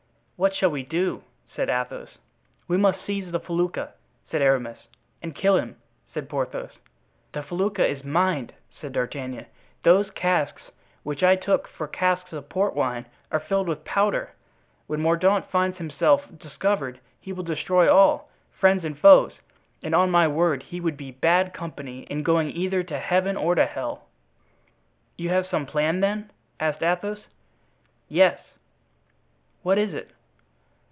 "What shall we do?" said Athos. "We must seize the felucca," said Aramis. "And kill him," said Porthos. "The felucca is mined," said D'Artagnan. "Those casks which I took for casks of port wine are filled with powder. When Mordaunt finds himself discovered he will destroy all, friends and foes; and on my word he would be bad company in going either to Heaven or to hell." "You have some plan, then?" asked Athos. "Yes." "What is it?"